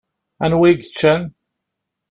Anwa i yeččan?